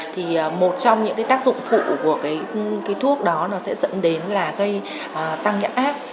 thì một trong những tác dụng phụ của thuốc đó sẽ dẫn đến gây tăng nhãn áp